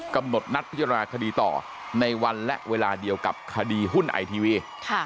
กำหนดนัดพิจารณาคดีต่อในวันและเวลาเดียวกับคดีหุ้นไอทีวี